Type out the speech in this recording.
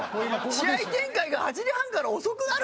試合展開が８時半から遅くなるんだよ。